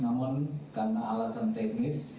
namun karena alasan teknis